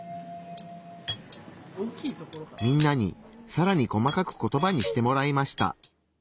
みんなにさらに細かくコトバにしてもらいました。